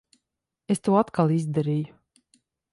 Es to atkal izdarīju.